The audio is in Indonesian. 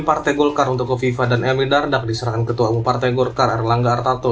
partai gorka untuk ke viva dan m i dardak diserahkan ketua kepartai gorka erlangga artato